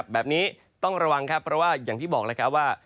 แบบนี้ต้องระวังเพราะว่าอย่างที่บอกว่า